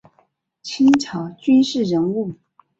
清朝军事人物。